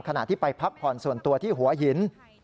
ขณะที่ไปพักผ่อนส่วนตัวที่หัวหิน